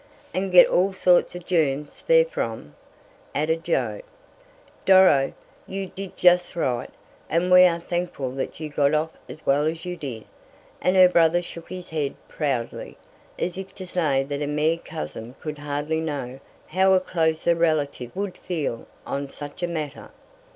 "And get all sorts of germs therefrom," added Joe. "Doro, you did just right, and we are thankful that you got off as well as you did," and her brother shook his head proudly, as if to say that a mere cousin could hardly know how a closer relative would feel on such a matter.